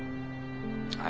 はい